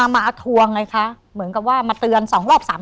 มาทวงไงคะเหมือนกับว่ามาเตือน๒รอบ๓